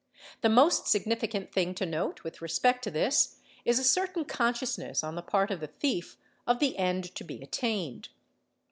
The most significant thing to note with respect to this is a certain conscious ness on the part of the thief of the end to be attained.